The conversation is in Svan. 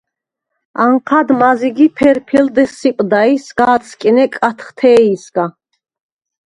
ანჴად მაზიგ ი ფერფილდ ესსიპდა ი სგ’ ა̄დსკინე კათხთე̄ჲსგა.